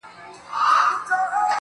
o ستا د رخسار خبري ډيري ښې دي.